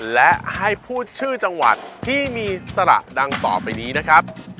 และให้พูดชื่อจังหวัดที่มีสระดังต่อไปนี้นะครับ